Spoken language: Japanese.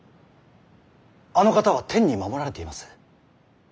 あの方は天に守られています。